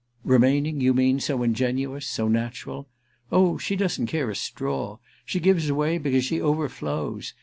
"Remaining, you mean, so ingenuous—so natural? Oh she doesn't care a straw—she gives away because she overflows.